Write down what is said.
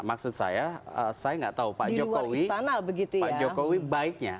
maksud saya saya nggak tahu pak jokowi baiknya